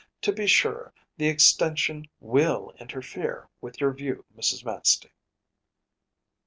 To be sure, the extension WILL interfere with your view, Mrs. Manstey.